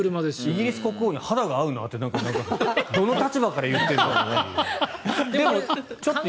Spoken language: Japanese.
イギリス国王に肌が合うなってどの立場から言ってるんだって。